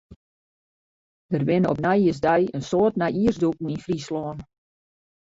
Der binne op nijjiersdei in soad nijjiersdûken yn Fryslân.